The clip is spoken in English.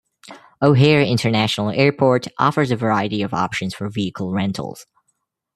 O'Hare International Airport offers a variety of options for vehicle rentals.